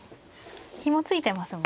ひも付いてますもんね。